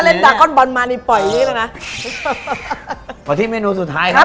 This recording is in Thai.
เง๊กก็เล่นตาก้อนบอลปอยอย่างเงี้ยประถึงเมนูสุดท้ายครับ